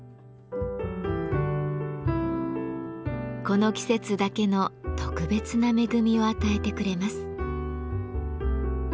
この季節だけの特別な恵みを与えてくれます。